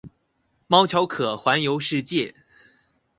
貓巧可環遊世界